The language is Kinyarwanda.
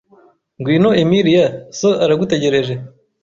Ngwino, Emilia! So aragutegereje.